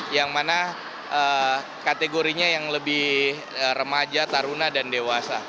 yang mana kategorinya yang lebih remaja taruna dan dewasa